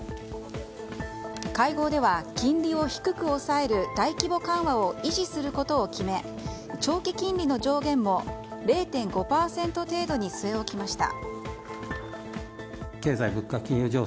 会合では金利を低く抑える大規模緩和を維持することを決め長期金利の上限も０．５％程度に据え置きました。